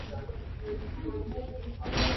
Tuelimishane ili tuwe na maisha mazuri siku za usoni